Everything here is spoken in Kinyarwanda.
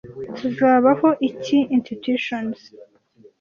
Tuzaba iki? intuitions